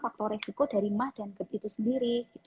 faktor resiko dari emah dan kebet itu sendiri